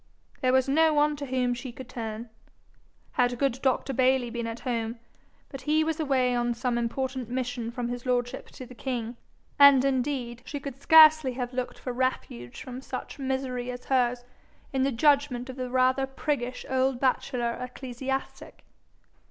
There was no one to whom she could turn. Had good Dr. Bayly been at home but he was away on some important mission from his lordship to the king: and indeed she could scarcely have looked for refuge from such misery as hers in the judgment of the rather priggish old bachelor ecclesiastic.